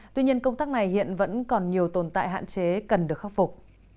tuy nhiên công tác này hiện vẫn còn nhiều tồn tại hạn chế cần được khắc phục